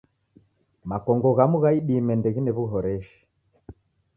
Makongo ghamu gha idime ndeghine w'uhoreshi.